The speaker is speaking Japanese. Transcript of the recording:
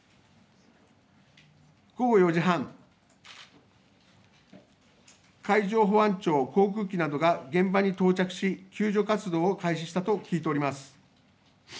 午後４時半、海上保安庁航空機などが現場に到着し救助活動を開始したと聞いております。